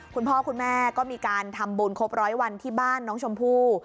คุณพ่อคุณแม่ก็มีการทำบุญครบร้อยวันที่บ้านน้องชมพู่